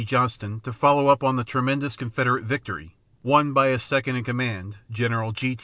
Johnston to follow up the tremendous Confederate victory won by his second in command, General G. T.